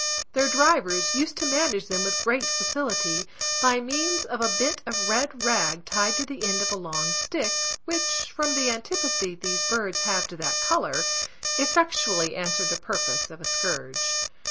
Their drivers used to manage them with great facility, by means of a bit of red rag tied to the end of a long stick, which, from the antipathy these birds have to that colour, effectually answered the purpose of a scourge.